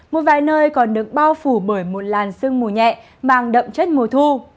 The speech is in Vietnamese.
một vài nơi còn được bao phủ bởi một làn sương mù nhẹ mang đậm chất mùa thu